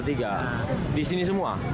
tadi jam sembilan an